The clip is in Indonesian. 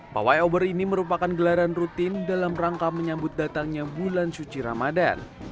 pawai obor ini merupakan gelaran rutin dalam rangka menyambut datangnya bulan suci ramadan